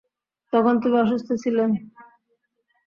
তখন তুমি অসুস্থ ছিলে।